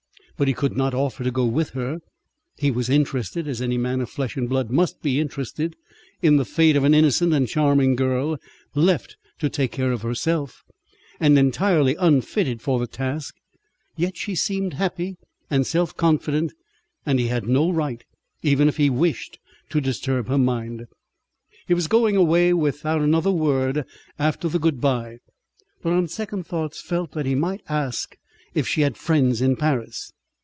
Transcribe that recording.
But he could not offer to go with her. He was interested, as any man of flesh and blood must be interested, in the fate of an innocent and charming girl left to take care of herself, and entirely unfitted for the task; yet she seemed happy and self confident, and he had no right, even if he wished, to disturb her mind. He was going away without another word after the good bye, but on second thoughts felt that he might ask if she had friends in Paris.